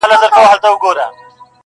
که ترخه شراب ګنا ده او حرام دي،